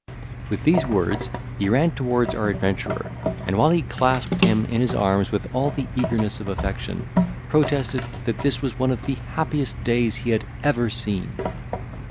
With these words he ran towards our adventurer, and, while he clasped him in his arms with all the eagerness of affection, protested that this was one of the happiest days he had ever seen.